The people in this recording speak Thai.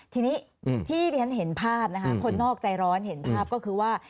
ทีนี้ที่เรียนเห็นภาพนะคะคนนอกใจร้อนเห็นภาพก็คือว่า